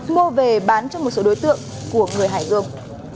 mua về bán cho một số đối tượng của người hải dương